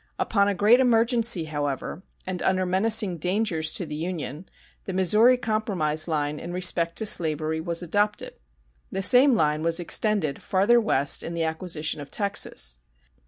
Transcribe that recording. Upon a great emergency, however, and under menacing dangers to the Union, the Missouri compromise line in respect to slavery was adopted. The same line was extended farther west in the acquisition of Texas.